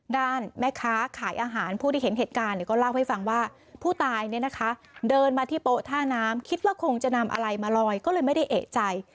ด้านแม่ค้าขายอาหารผู้ที่เห็นเหตุการณ์ก็เล่าให้ฟังว่าผู้ตายเนี่ยนะคะเดินมาที่โป๊ท่าน้ำคิดว่าคงจะนำอะไรมาลอยก็เลยไม่ได้เอกใจ